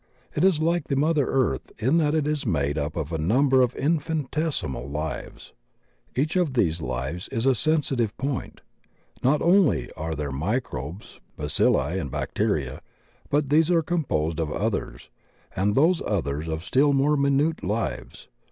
It is like mother earth in that it is made up of a number of infinitesimal "Uves." Each of these lives is a sensitive point. Not only are there microbes, bacilli, and bacteria, but these are composed of others, and those others of still more minute lives.